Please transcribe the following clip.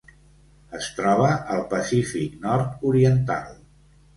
Es troba al Pacífic nord-oriental: